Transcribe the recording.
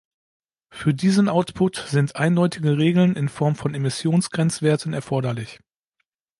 Für diesen Output sind eindeutige Regeln in Form von Emissionsgrenzwerten erforderlich.